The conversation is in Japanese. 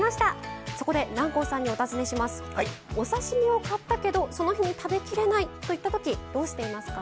お刺身を買ったけどその日に食べきれないといった時どうしていますか？